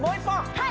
はい！